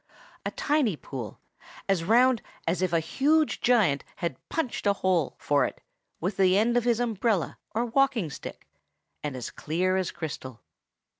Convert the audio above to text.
A tiny pool, as round as if a huge giant had punched a hole for it with the end of his umbrella or walking stick, and as clear as crystal.